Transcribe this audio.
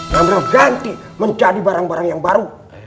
yang berganti menjadi barang barang yang baru